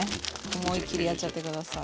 思いっきりやっちゃって下さい。